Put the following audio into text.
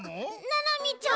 ななみちゃん？